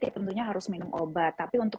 tentunya harus minum obat tapi untuk